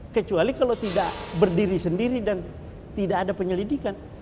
kecuali kalau tidak berdiri sendiri dan tidak ada penyelidikan